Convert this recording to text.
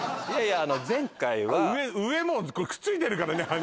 いやいやあの前回は上上もうくっついてるからね